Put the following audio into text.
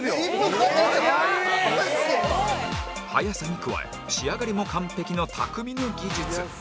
速さに加え仕上がりも完璧の匠の技術